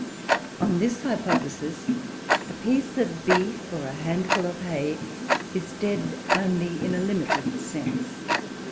On this hypothesis, a piece of beef, or a handful of hay, is dead only in a limited sense.